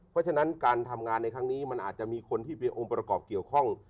เพราะฉะนั้นการทำงานในครั้งนี้มันอาจจะมีคนที่มีองค์ประกอบเกี่ยวข้อง